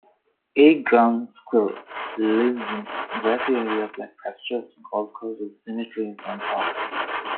A ground squirrel lives in grassy areas like pastures, golf courses, cemeteries, and parks.